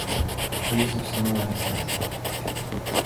He is of Samoan descent.